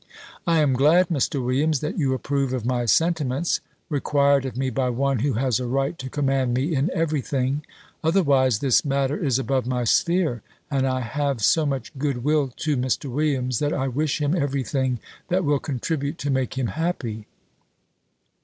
"I am glad, Mr. Williams, that you approve of my sentiments, required of me by one who has a right to command me in every thing: otherwise this matter is above my sphere; and I have so much good will to Mr. Williams, that I wish him every thing that will contribute to make him happy."